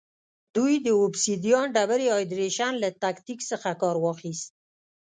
دوی د اوبسیدیان ډبرې هایدرېشن له تکتیک څخه کار واخیست